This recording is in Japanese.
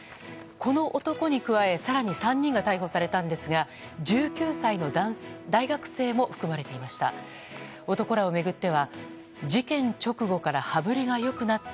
この男に加え更に３人が逮捕されたんですが１９歳の大学生も含まれていました。